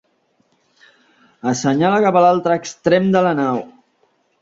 Assenyala cap a l'altre extrem de la nau.